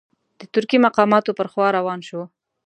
د ترکي مقاماتو پر خوا روان شو.